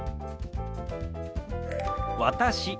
「私」。